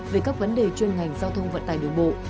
về các vấn đề chuyên ngành giao thông vận tải đường bộ